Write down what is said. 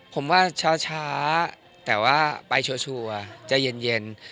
ผมว่าช้าแต่ว่าไปชัวร์ใจเย็น